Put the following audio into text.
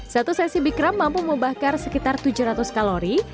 satu sesi bikram mampu membakar sekitar tujuh ratus kalori